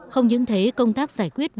không những thế công tác giải quyết vấn đề